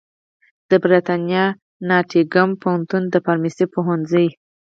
د برېتانیا ناټینګهم پوهنتون د فارمیسي پوهنځي